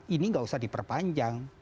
ini tidak usah diperpanjang